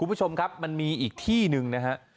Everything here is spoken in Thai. คุณผู้ชมครับมันมีอีกที่หนึ่งนะฮะ